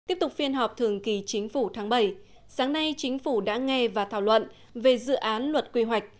tiếp tục phiên họp thường kỳ chính phủ tháng bảy sáng nay chính phủ đã nghe và thảo luận về dự án luật quy hoạch